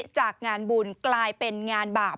จากงานบุญกลายเป็นงานบาป